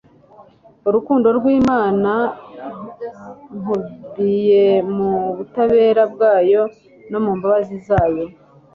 Urukundo rw'Imana mkubiye mu butabera bwayo no mu mbabazi zayo.